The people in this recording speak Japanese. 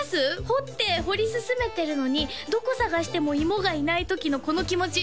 掘って掘り進めてるのにどこ探しても芋がいない時のこの気持ち